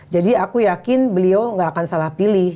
aku yakin beliau nggak akan salah pilih